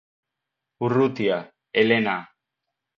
Urrutia, Elena.